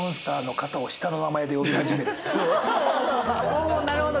おなるほど！